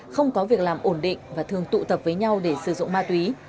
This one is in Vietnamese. không có việc làm ổn định và thường tụ tập với nhau để sử dụng ma túy